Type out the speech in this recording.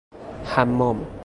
حمام